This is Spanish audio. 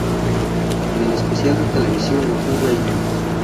En el especial de televisión Gokū Gaiden!